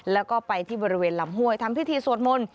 แล้วก็ไปที่บริเวณลำห้วยทำพิธีสวดมนต์